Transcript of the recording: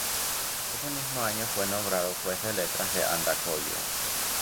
Ese mismo año fue nombrado juez de letras de Andacollo.